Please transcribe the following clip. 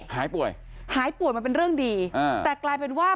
หายป่วยหายป่วยมันเป็นเรื่องดีอ่าแต่กลายเป็นว่า